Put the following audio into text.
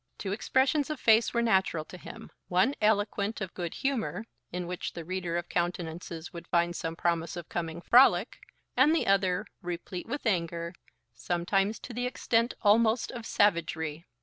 Two expressions of face were natural to him; one eloquent of good humour, in which the reader of countenances would find some promise of coming frolic; and the other, replete with anger, sometimes to the extent almost of savagery.